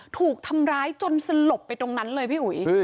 ถูกทำร้ายจนสลบไปตรงนั้นเลยพี่อุ๋ย